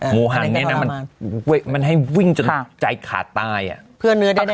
หมูหันมันให้วิ่งจนใจขาดใต้